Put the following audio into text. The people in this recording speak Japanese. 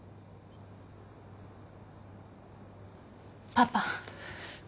パパ。